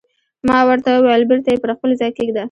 ما ورته وویل: بېرته یې پر خپل ځای کېږده.